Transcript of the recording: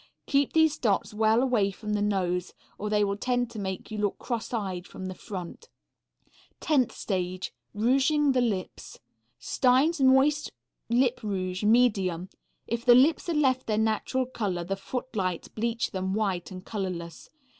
Keep these dots well away from the nose, or they will tend to make you look crosseyed from the front. Tenth stage. Rouging the lips. Stein's moist lip rouge, medium. If the lips are left their natural color the footlights bleach them white and colorless.